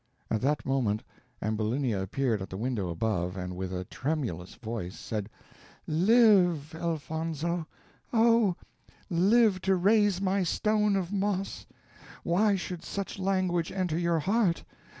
At that moment Ambulinia appeared at the window above, and with a tremulous voice said, "Live, Elfonzo! oh! live to raise my stone of moss! why should such language enter your heart?